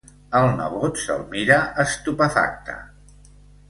El nebot se'l mira, estupefacte.